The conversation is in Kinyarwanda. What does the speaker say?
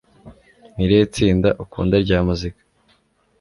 Ni irihe tsinda ukunda rya muzika